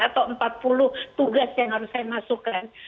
atau empat puluh tugas yang harus saya masukkan